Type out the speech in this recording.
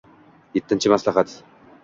Yettinchi maslahat.